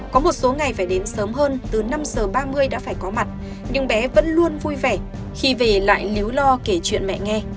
có một số ngày phải đến sớm hơn từ năm giờ ba mươi đã phải có mặt nhưng bé vẫn luôn vui vẻ khi về lại lý lo kể chuyện mẹ nghe